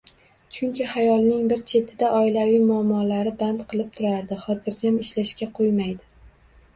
Chunki xayolining bir chetini oilaviy muammolari band qilib turadi, xotirjam ishlashga qo‘ymaydi.